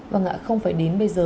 và ngã không phải đến bây giờ